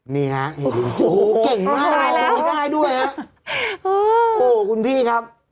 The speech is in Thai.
นี่ฮะเห็นดูโอ้โหเก่งมากได้แล้วได้ด้วยฮะโอ้โหคุณพี่ครับ